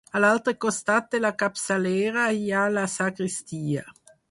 A l’altre costat de la capçalera hi ha la sagristia.